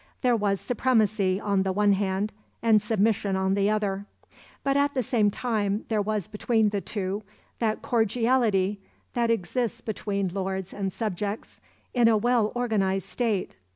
There was supremacy on the one hand, and submission on the other; but at the same time there was between the two that cordiality which exists between lords and subjects in a well organized state.